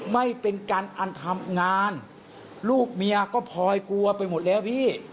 ไม่เป็นการอันทำงานลูกเมียก็พลอยกลัวไปหมดแล้วพี่